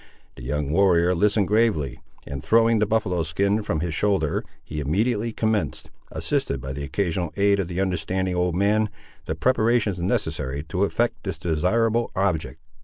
The young warrior listened gravely, and throwing the buffaloe skin from his shoulder he immediately commenced, assisted by the occasional aid of the understanding old man, the preparations necessary to effect this desirable object.